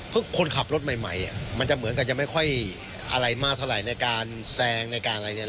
เพราะคนขับรถใหม่มันจะเหมือนกันจะไม่ค่อยอะไรมากเท่าไหร่ในการแซงในการอะไรเนี่ย